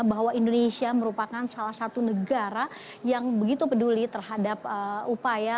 bahwa indonesia merupakan salah satu negara yang begitu peduli terhadap upaya